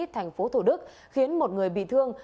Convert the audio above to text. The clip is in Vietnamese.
thành phố thủ đức khiến một người bị thương